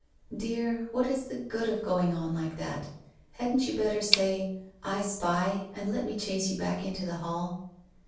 ' Dear, what is the good of going on like that? Hadn't you better say, " I spy !" and let me chase you back into the hall?'